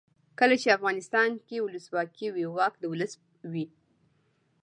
کله چې افغانستان کې ولسواکي وي واک د ولس وي.